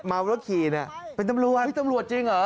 เมาแล้วขี่เป็นตำรวจตำรวจจริงเหรอ